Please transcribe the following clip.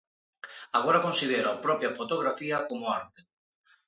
Agora considero a propia fotografía como arte.